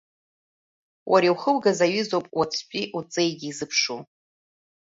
Уара иухугаз аҩызоуп уаҵәтәи уҵеигьы изыԥшу.